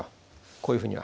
こういうふうには。